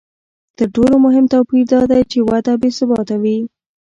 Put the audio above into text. تر ټولو مهم توپیر دا دی چې وده بې ثباته وي